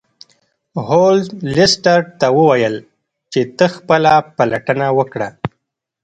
هولمز لیسټرډ ته وویل چې ته خپله پلټنه وکړه.